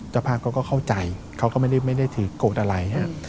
แต่ภาพเขาก็เข้าใจเขาก็ไม่ได้ไม่ได้ถือกฎอะไรฮะอืม